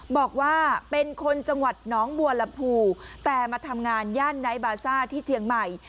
บอกว่าเป็นคนจังหวัดน้องบัวลำพูแต่มาทำงานย่านไนท์บาซ่าที่เชียงใหม่